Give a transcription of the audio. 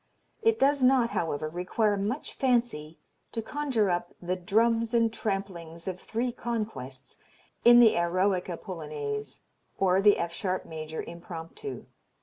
It does not, however, require much fancy to conjure up "the drums and tramplings of three conquests" in the Eroica Polonaise or the F sharp major Impromptu.